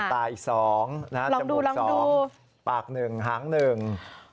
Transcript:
ตาอีก๒จมูก๒ปาก๑หาง๑